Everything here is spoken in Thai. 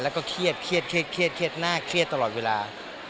แล้วก็เครียดเครียดเครียดเครียดน่าเครียดตลอดเวลา